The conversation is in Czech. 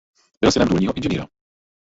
Byl synem důlního inženýra.